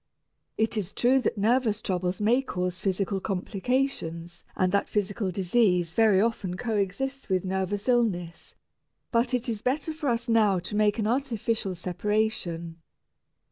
It is true that nervous troubles may cause physical complications and that physical disease very often coexists with nervous illness, but it is better for us now to make an artificial separation.